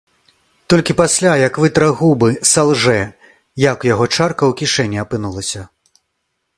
Толькі пасля, як вытра губы, салжэ, як у яго чарка ў кішэні апынулася.